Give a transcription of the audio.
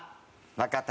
わかった。